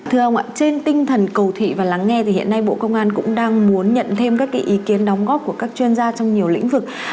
thưa ông ạ trên tinh thần cầu thị và lắng nghe thì hiện nay bộ công an cũng đang muốn nhận thêm các ý kiến đóng góp của các chuyên gia trong nhiều lĩnh vực